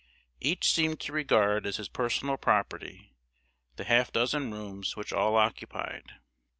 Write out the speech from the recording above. Each seemed to regard as his personal property the half dozen rooms which all occupied.